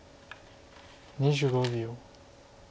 ２５秒。